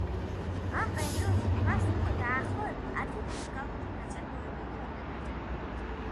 ამ პერიოდში მას უკვე, დაახლოებით, ათი მუსიკალური ნაწარმოები ჰქონდა დაწერილი.